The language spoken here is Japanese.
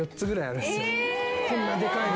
こんなでかいの。